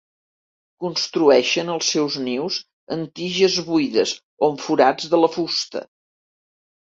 Construeixen els seus nius en tiges buides o en forats de la fusta.